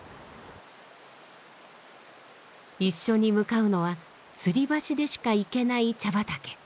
一緒に向かうのはつり橋でしか行けない茶畑。